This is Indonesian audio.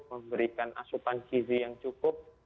memberikan asupan gizi yang cukup